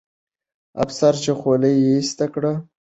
افسر چې خولۍ یې ایسته کړه، انګریزي وو.